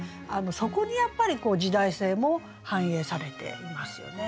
そこにやっぱり時代性も反映されていますよね。